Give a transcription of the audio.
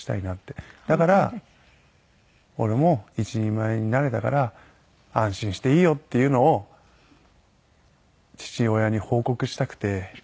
だから俺も一人前になれたから安心していいよっていうのを父親に報告したくて。